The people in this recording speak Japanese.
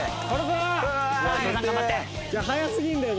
早すぎるんだよ